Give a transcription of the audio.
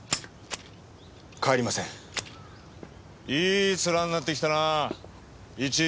いいツラになってきたなあイチ。